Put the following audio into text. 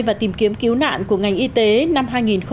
và tìm kiếm cứu nạn của ngành y tế năm hai nghìn một mươi chín